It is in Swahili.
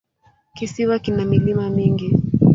Kisiwa kina milima mingi.